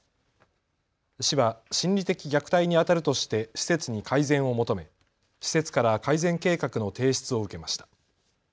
市は心理的虐待にあたるとして施設に改善を求め施設から改善計画の提出を受けました。